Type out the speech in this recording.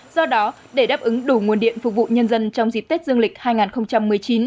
do đó để đáp ứng đủ nguồn điện phục vụ nhân dân trong dịp tết dương lịch hai nghìn một mươi chín